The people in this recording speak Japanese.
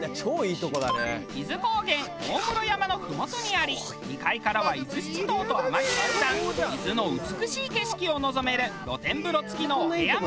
伊豆高原大室山のふもとにあり２階からは伊豆七島と天城連山伊豆の美しい景色を望める露天風呂付きのお部屋も。